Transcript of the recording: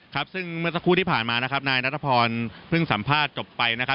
ครับซึ่งเมื่อสักครู่ที่ผ่านมานะครับนายนัทพรเพิ่งสัมภาษณ์จบไปนะครับ